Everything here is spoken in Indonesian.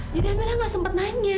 jadi amirah tidak sempat nanya